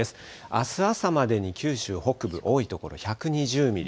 あす朝までに九州北部、多い所、１２０ミリ。